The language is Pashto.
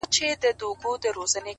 ستا غزل به چا چاته خوښې ورکړي خو!!